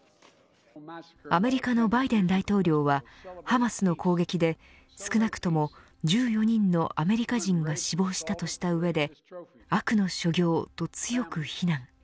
アメリカのバイデン大統領はハマスの攻撃で少なくとも１４人のアメリカ人が死亡したとしたうえで悪の所業と強く非難。